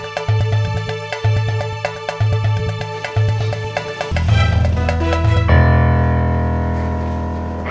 pak ke sana pak